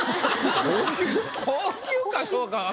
高級かどうかは。